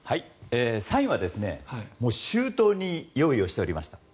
サインは、もう周到に用意をしておりました。